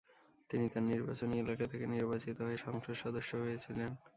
তিনি তার নির্বাচনী এলাকা থেকে নির্বাচিত হয়ে সংসদ সদস্য হয়েছিলেন।